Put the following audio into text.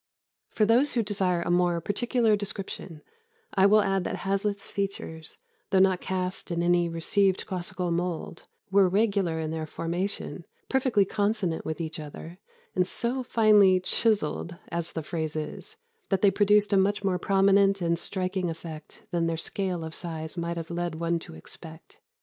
"For those who desire a more particular description, I will add that Hazlitt's features, though not cast in any received classical mould, were regular in their formation, perfectly consonant with each other, and so finely 'chiseled' (as the phrase is), that they produced a much more prominent and striking effect than their scale of size might have led one to expect.